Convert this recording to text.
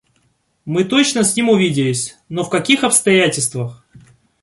– Мы точно с ним увиделись, но в каких обстоятельствах!..